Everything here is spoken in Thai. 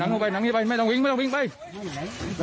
ต้องเมื่อเรื่องนี้ไปรอแล้วนะฮะ